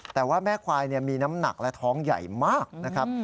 แต่ว่าแม่ควายมีน้ำหนักและท้องใหญ่มากนะครับ